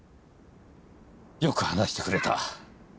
よく話してくれた。